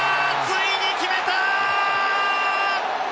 ついに決めた！